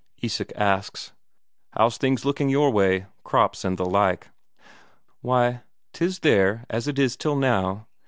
Isak asks: "How's things looking your way crops and the like?" "Why, 'tis there as it is till now.